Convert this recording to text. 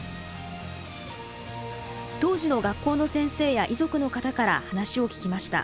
当時の学校の先生や遺族の方から話を聞きました。